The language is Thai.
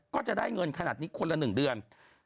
ก็จะได้เงินขนาดนี้คนละ๑เดือน